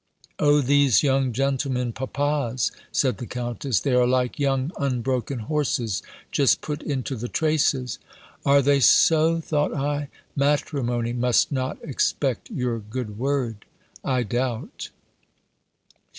"O these young gentlemen papas!" said the Countess "They are like young unbroken horses, just put into the traces!" "Are they so?" thought I. "Matrimony must not expect your good word, I doubt."